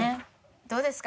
どうですか？